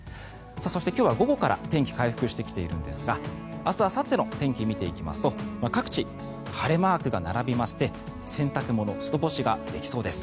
そして、今日は午後から天気回復してきているんですが明日あさっての天気を見ていきますと各地、晴れマークが並びまして洗濯物、外干しができそうです。